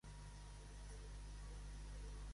Haurien viscut en entorn marítim?